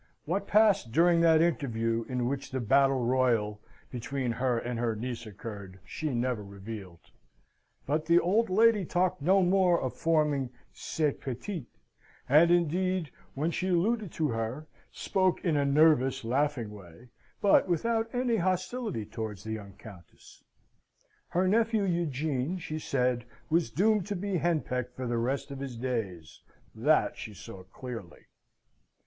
What passed during that interview in which the battle royal between her and her niece occurred, she never revealed. But the old lady talked no more of forming cette petite, and, indeed, when she alluded to her, spoke in a nervous, laughing way, but without any hostility towards the young Countess. Her nephew Eugene, she said, was doomed to be henpecked for the rest of his days that she saw clearly.